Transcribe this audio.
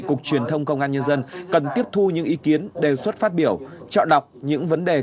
cục truyền thông công an nhân dân cần tiếp thu những ý kiến đề xuất phát biểu chọn đọc những vấn đề